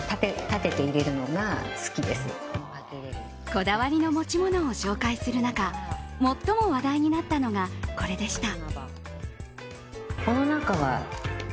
こだわりの持ち物を紹介する中最も話題になったのがこれでした。